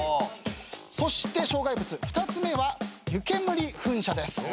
そして障害物２つ目は湯煙噴射です。